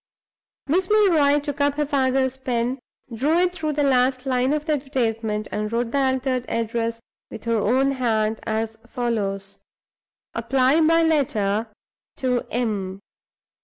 Miss Milroy took up her father's pen, drew it through the last line of the advertisement, and wrote the altered address with her own hand as follows: "_Apply, by letter, to M.